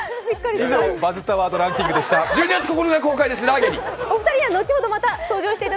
以上、「バズったワードランキング」でした。